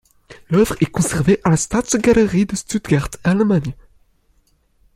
L'œuvre est conservée à la Staatsgalerie de Stuttgart, Allemagne.